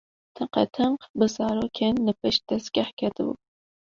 Tiqetiq bi zarokên li pişt dezgeh ketibû.